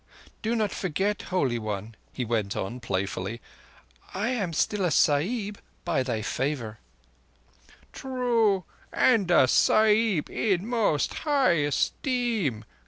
Do not forget, Holy One," he went on playfully. "I am still a Sahib—by thy favour." "True. And a Sahib in most high esteem.